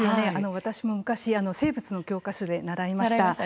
私も昔、生物の教科書で習いました。